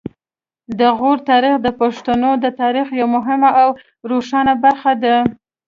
د غور تاریخ د پښتنو د تاریخ یوه مهمه او روښانه برخه ده